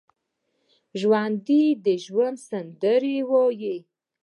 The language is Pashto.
ژوندي د ژوند سندرې وايي